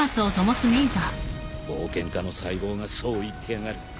冒険家の細胞がそう言ってやがる。